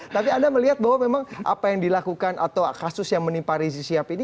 tapi anda melihat bahwa memang apa yang dilakukan atau kasus yang menimpa rizik sihab ini